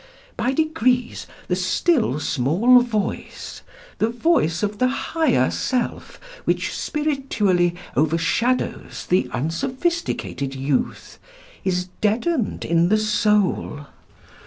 By degrees, the still, small voice the voice of the higher self which spiritually overshadows the unsophisticated youth is deadened in the soul.